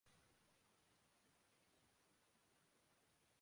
Reliance نے تاریخ